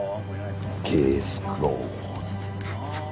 ケースクローズド。